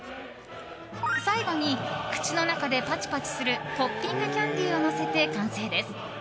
最後に、口の中でパチパチするポッピングキャンディーをのせて完成です。